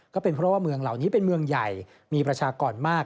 ก็เป็นเพราะว่าเมืองเหล่านี้เป็นเมืองใหญ่มีประชากรมาก